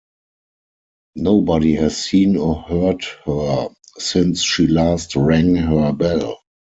Nobody has seen or heard her since she last rang her bell.